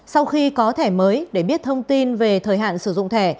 sau khi có thẻ mới để biết thông tin về thời hạn sử dụng thẻ